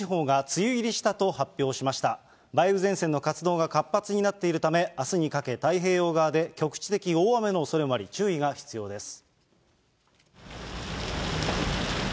梅雨前線の活動が活発になっているため、あすにかけ、太平洋側で局地的に大雨のおそれもあり、注意が必要です。